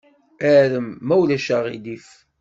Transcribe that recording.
Arem, ma ulac aɣilif.